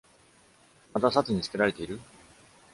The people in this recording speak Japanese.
「また、サツに付けられている？」